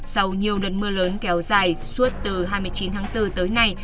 sau nhiều đợt mưa lớn kéo dài suốt từ hai mươi chín tháng bốn tới nay